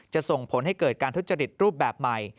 ส่งผลให้เกิดการทุจริตรูปแบบใหม่